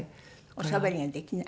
おしゃべりができない。